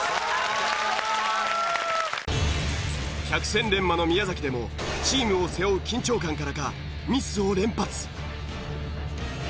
百戦錬磨の宮崎でもチームを背負う緊張感からかミスを連発。